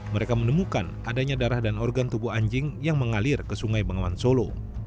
mereka menemukan adanya darah dan organ tubuh anjing yang mengalir ke sungai bengawan solo